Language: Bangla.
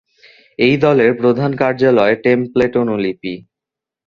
এই দলের প্রধান কার্যালয় টেমপ্লেটঅনুলিপি।